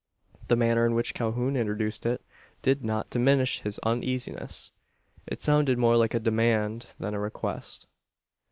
The manner in which Calhoun introduced it, did not diminish his uneasiness. It sounded more like a demand than a request.